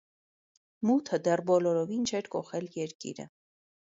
Մութը դեռ բոլորովին չէր կոխել երկիրը: